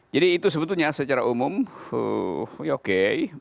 jadi itu sebetulnya secara umum ya oke